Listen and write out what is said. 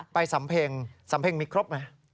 ไปสำเพ็งสำเพ็งมีครบไหม